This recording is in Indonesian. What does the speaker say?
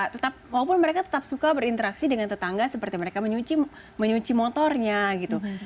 tetap walaupun mereka tetap suka berinteraksi dengan tetangga seperti mereka menyuci motornya gitu